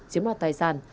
chiếm đoạt tài sản